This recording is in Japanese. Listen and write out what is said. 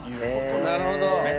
なるほど！